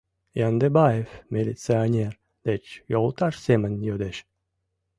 — Яндыбаев милиционер деч йолташ семын йодеш.